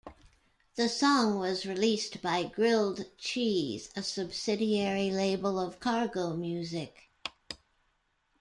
The song was released by Grilled Cheese, a subsidiary label of Cargo Music.